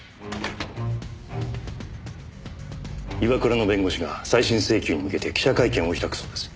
岩倉の弁護士が再審請求に向けて記者会見を開くそうです。